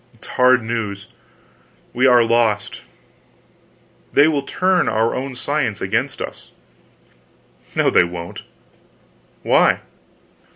"It's hard news. We are lost. They will turn our own science against us." "No they won't." "Why?"